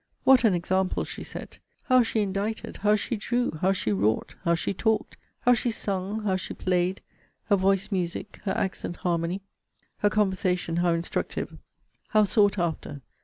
What an example she set! How she indited! How she drew! How she wrought! How she talked! How she sung! How she played! Her voice music! Her accent harmony! Her conversation how instructive! how sought after!